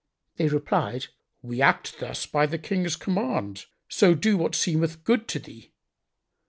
They replied, "We act thus by the King's command: so do what seemeth good to thee."